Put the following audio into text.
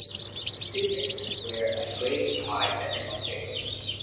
Students wear a grey tie every Monday.